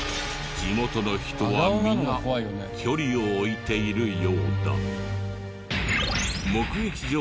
地元の人はみんな距離を置いているようだ。